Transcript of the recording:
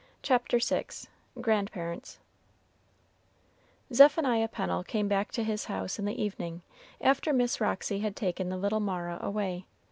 '" CHAPTER VI GRANDPARENTS Zephaniah Pennel came back to his house in the evening, after Miss Roxy had taken the little Mara away.